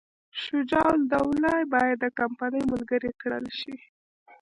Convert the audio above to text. شجاع الدوله باید د کمپنۍ ملګری کړل شي.